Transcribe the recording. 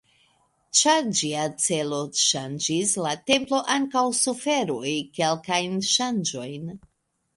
Ĉar ĝia celo ŝanĝis la templo ankaŭ suferoj kelkajn ŝanĝojn.